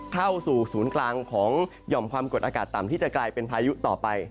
เข้าสู่ศูนย์กลางของหย่อมความกดอากาศต่ำที่จะกลายเป็นพายุต่อไป